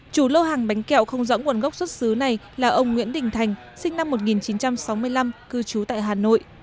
chủ lô hàng bánh kẹo không rõ nguồn gốc xuất xứ này là ông nguyễn đình thành sinh năm một nghìn chín trăm sáu mươi năm cư trú tại hà nội